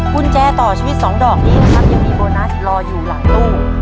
กุญแจต่อชีวิต๒ดอกนี้นะครับยังมีโบนัสรออยู่หลังตู้